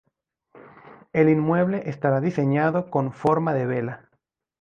El inmueble estará diseñado con forma de vela.